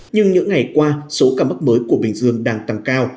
nhưng những ngày qua số ca mắc mới của bình dương đang tăng cao